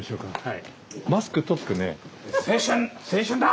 はい。